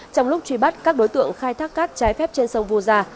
trong lúc truy bắt các đối tượng khai thác cát trái phép trên sông vu gia